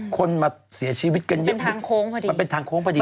คนมาเสียชีวิตกันเยอะมันเป็นทางโค้งพอดี